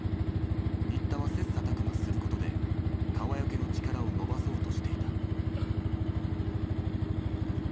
新田は切磋琢磨することで川除の力を伸ばそうとしていた。